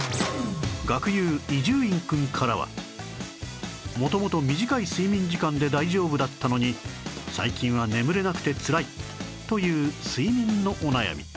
学友伊集院くんからは元々短い睡眠時間で大丈夫だったのに最近は眠れなくてつらいという睡眠のお悩み